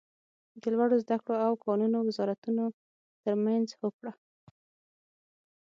د لوړو ذده کړو او کانونو وزارتونو تر مینځ هوکړه